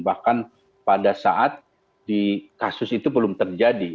bahkan pada saat di kasus itu belum terjadi